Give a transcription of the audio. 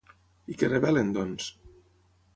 I què revelen, doncs?